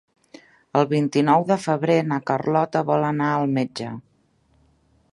El vint-i-nou de febrer na Carlota vol anar al metge.